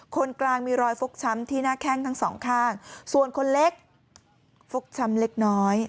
คนกลางมีรอยฟกช้ำที่หน้าแข้งทั้งสองข้างส่วนคนเล็กฟกช้ำเล็กน้อย